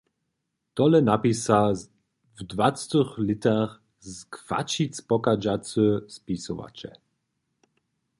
Tole napisa w dwacetych lětach z Chwaćic pochadźacy spisowaćel.